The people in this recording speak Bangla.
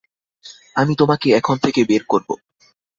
আমি তোমাকে এখন থেকে বের করব।